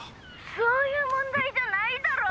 そういう問題じゃないだろ！